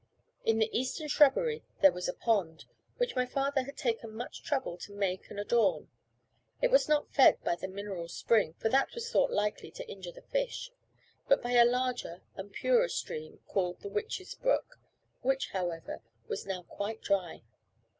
In the eastern shrubbery there was a pond, which my father had taken much trouble to make and adorn; it was not fed by the mineral spring, for that was thought likely to injure the fish, but by a larger and purer stream, called the "Witches' brook," which, however, was now quite dry.